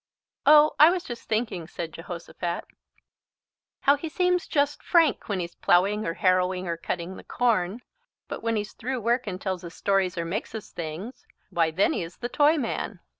"Oh! I was just thinking," said Jehosophat, "how he seems just Frank when he's ploughing or harrowing or cutting the corn. But when he's through work and tells us stories or makes us things, why then he is the Toyman."